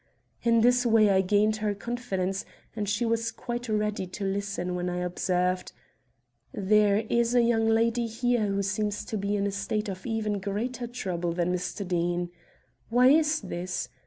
In this way I gained her confidence, and she was quite ready to listen when I observed: "There is a young lady here who seems to be in a state of even greater trouble than Mr. Deane. Why is this?